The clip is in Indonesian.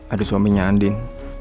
ada suaminya andin